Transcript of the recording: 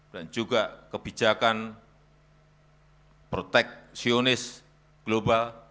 dan juga kebijakan proteksionis global